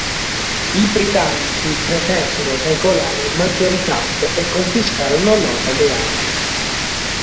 I britannici pretesero dai coloni maggiori tasse e confiscarono loro le armi.